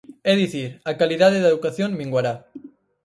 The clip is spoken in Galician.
É dicir, a calidade da educación minguará.